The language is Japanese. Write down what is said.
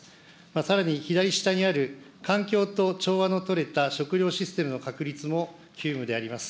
さらに、左下にある環境と調和の取れた食料システムの確立も急務であります。